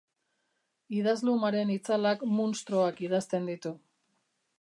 Idazlumaren itzalak munstroak idazten ditu.